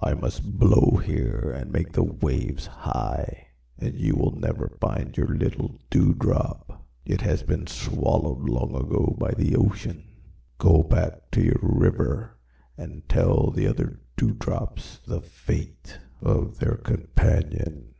I must blow here and make the waves high, and you will never find your little Dewdrop. It has been swallowed long ago by the ocean. Go back to your river and tell the other Dewdrops the fate of their companion."